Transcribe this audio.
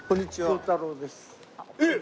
紘太郎です。